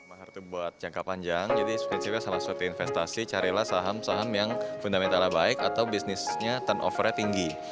mahar itu buat jangka panjang jadi speech itu salah satu investasi carilah saham saham yang fundamentalnya baik atau bisnisnya turnovernya tinggi